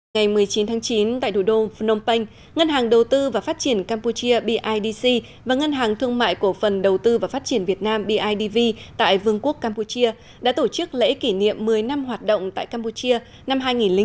ngày một mươi chín tháng chín tại thủ đô phnom penh ngân hàng đầu tư và phát triển campuchia bidc và ngân hàng thương mại cổ phần đầu tư và phát triển việt nam bidv tại vương quốc campuchia đã tổ chức lễ kỷ niệm một mươi năm hoạt động tại campuchia năm hai nghìn chín